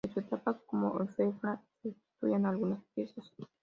De su etapa como orfebre subsisten algunas piezas.